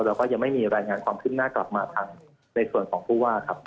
เราก็ยังไม่มีรายงานความคืบหน้ากลับมาทางในส่วนของผู้ว่าครับ